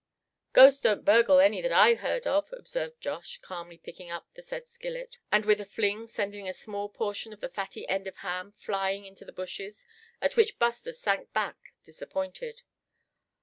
"Ghosts don't burgle any that I ever heard of," observed Josh, calmly picking up the said skillet, and with a fling sending a small portion of the fatty end of ham flying into the bushes, at which Buster sank back, disappointed.